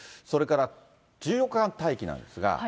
それから１４日間待機なんですが。